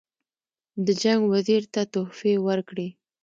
د جنګ وزیر ته تحفې ورکړي.